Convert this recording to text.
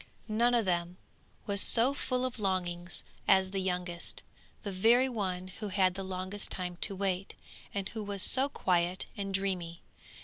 None of them was so full of longings as the youngest, the very one who had the longest time to wait, and who was so quiet and dreamy.